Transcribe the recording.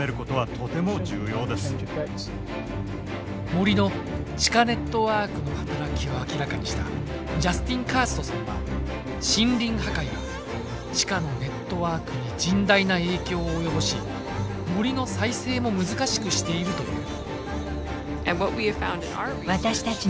森の地下ネットワークの働きを明らかにしたジャスティン・カーストさんは森林破壊が地下のネットワークに甚大な影響を及ぼし森の再生も難しくしていると言う。